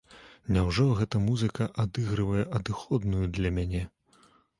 Няўжо гэта музыка адыгрывае адыходную для мяне?